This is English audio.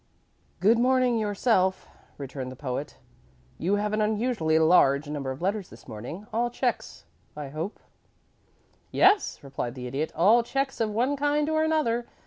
"Good morning yourself," returned the Poet. "You have an unusually large number of letters this morning. All checks, I hope?" "Yes," replied the Idiot. "All checks of one kind or another.